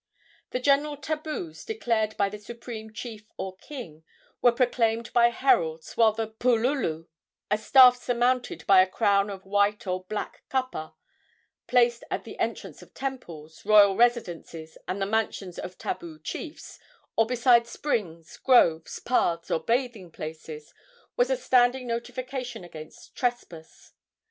The general tabus declared by the supreme chief or king were proclaimed by heralds, while the puloulou a staff surmounted by a crown of white or black kapa placed at the entrance of temples, royal residences and the mansions of tabu chiefs, or beside springs, groves, paths, or bathing places, was a standing notification against trespass.